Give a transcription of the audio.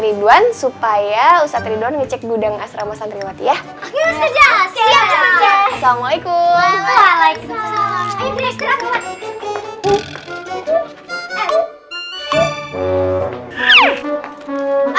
ridwan supaya ustadz ridwan ngecek gudang asrama santriwati ya assalamualaikum